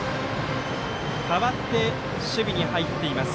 代わって守備に入っています